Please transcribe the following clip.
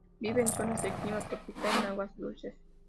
Vive en zonas de clima tropical, en aguas dulces.